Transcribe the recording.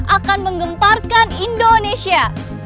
akan menggemparkan indonesia